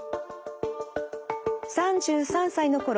３３歳のころ